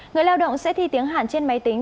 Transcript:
người lao động sẽ thi tiếng hàn trên máy tính